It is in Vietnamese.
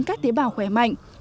các tế bào khỏe mạnh